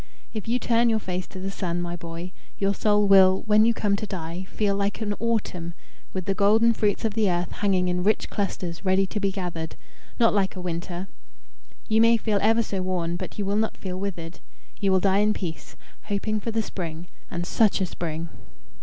If you turn your face to the Sun, my boy, your soul will, when you come to die, feel like an autumn, with the golden fruits of the earth hanging in rich clusters ready to be gathered not like a winter. You may feel ever so worn, but you will not feel withered. You will die in peace, hoping for the spring and such a spring!"